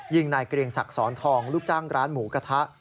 ยิงนายเกรียงศักดิ์สอนทองลูกจ้างร้านหมูกระทะ